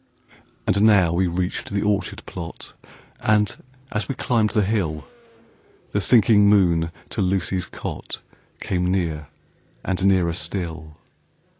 And now we reached the orchard plot; And, as we climbed the hill, The sinking moon to Lucy's cot Came near, and nearer still.